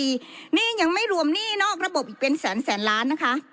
หนี้ยังไม่รวมหนี้นอกระบบอีกเป็นแสนแสนล้านนะคะ